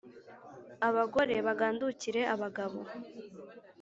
abagore bagandukire abagabo.